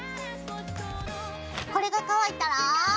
これが乾いたら。